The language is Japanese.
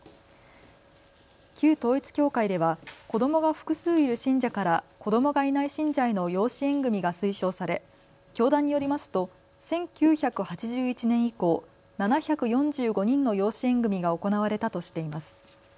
旧統一教会では子どもが複数いる信者から子どもがいない信者への養子縁組みが推奨され教団によりますと１９８１年以降、７４５人の養子縁組みが行われたとしています。